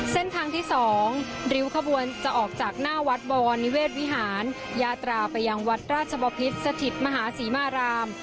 เส้นทางที่๒ริ้วขบวนจะออกจากหน้าวัดบวรนิเวศวิหารยาตราไปยังวัดราชบพิษสถิตมหาศรีมาราม